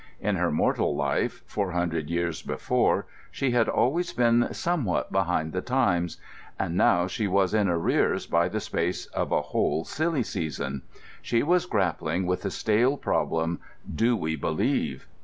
In her mortal life, four hundred years before, she had always been somewhat behind the times; and now she was in arrears by the space of a whole Silly Season. She was grappling with the stale problem, "Do we Believe?"